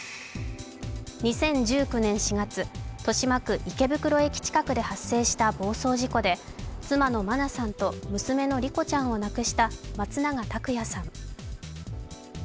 ２０１９年４月、豊島区・池袋駅近くで発生した暴走事故で妻の真菜さんと娘の莉子ちゃんを亡くした松永拓也さん。